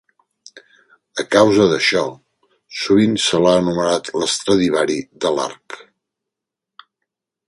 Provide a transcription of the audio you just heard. A causa d'això, sovint se l'ha anomenat el Stradivari de l'arc.